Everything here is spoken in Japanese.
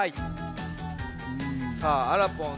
さああらぽん